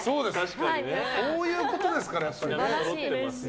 こういうことですから、やっぱり。